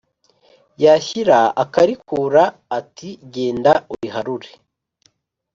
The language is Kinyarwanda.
yashyira akarikura ati genda uriharure